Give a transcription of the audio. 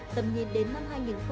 tầm nhìn đến năm hai nghìn năm mươi